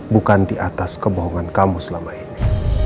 bukan di atas kebohongan kamu selama ini